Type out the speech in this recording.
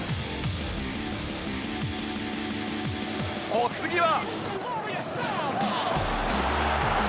お次は